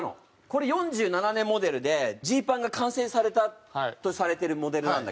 これ４７年モデルでジーパンが完成されたとされてるモデルなんだけど。